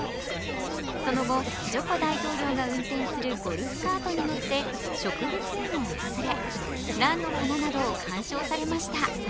その後、ジョコ大統領が運転するゴルフカートに乗って植物園を訪れ蘭の花などを鑑賞されました。